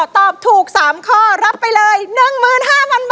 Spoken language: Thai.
ตอบถูก๓ข้อรับไปเลย๑๕๐๐๐บาท